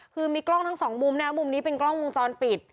คือมีกล้องทั้งสองมุมนะมุมนี้เป็นกล้องวงจรปิด